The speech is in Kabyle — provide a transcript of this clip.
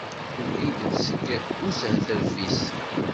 Tuki-d seg ushetref-is.